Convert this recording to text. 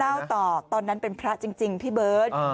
ต่อตอนนั้นเป็นพระจริงพี่เบิร์ต